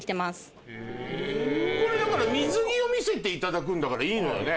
これだから水着を見せていただくんだからいいのよね？